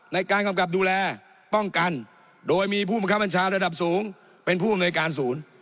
ในการกำกัดดูแลป้องกันโดยมีผู้บังคัมศาลระดับสูงเป็นภูมิงณภาคศูนย์